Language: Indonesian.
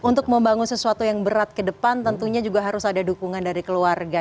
untuk membangun sesuatu yang berat ke depan tentunya juga harus ada dukungan dari keluarga